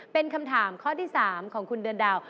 เป็นคำถามข้อที่๓ของคุณเดือนดาว